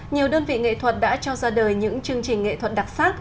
nhiều đơn vị nghệ thuật đã cho ra đời những chương trình nghệ thuật đặc sắc